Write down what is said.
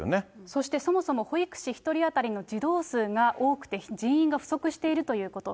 そしてそもそも保育士１人当たりの児童数が多くて、人員が不足しているということ。